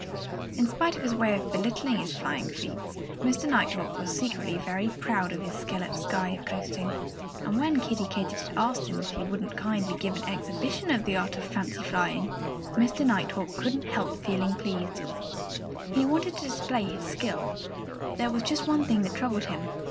In spite of his way of belittling his flying feats, Mr. Nighthawk was secretly very proud of his skill at sky coasting. And when Kiddie Katydid asked him if he wouldn't kindly give an exhibition of the art of fancy flying, Mr. Nighthawk couldn't help feeling pleased. He wanted to display his skill. But there was just one thing that troubled him.